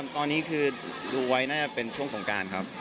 ตอนนี้คือดูไว้น่าจะเป็นช่วงสงการครับ